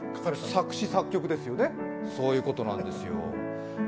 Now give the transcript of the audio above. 作詞作曲ですよね、そういうことなんですよ。